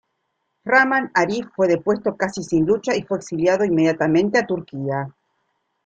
Rahman Arif fue depuesto casi sin lucha y fue exiliado inmediatamente a Turquía.